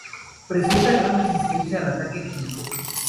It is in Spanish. Presenta gran resistencia al ataque químico.